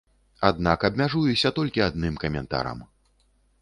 Аднак абмяжуюся толькі адным каментарам.